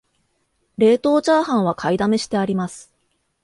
冷凍チャーハンは買いだめしてあります